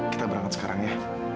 kita berangkat sekarang ya